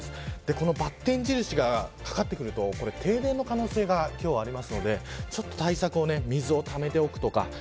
このばつ印がかかってくると停電の可能性もあるので停電の対策で水をためておくとか。